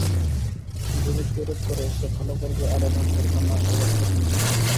যে ব্যক্তি এরূপ করে সে ভালো করবে আর একান্ত তা না পারলে ক্ষতি নেই।